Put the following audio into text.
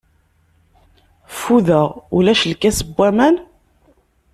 Ffudeɣ, ulac lkas n waman?